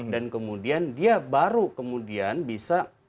dan kemudian dia baru kemudian bisa